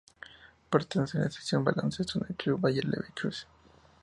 Pertenece a la sección de baloncesto del club Bayer Leverkusen.